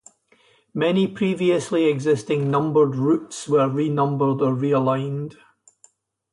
Many previously existing numbered routes were renumbered or realigned.